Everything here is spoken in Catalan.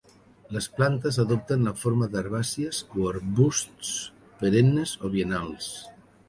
Les plantes adopten la forma d'herbàcies o arbusts perennes o biennals.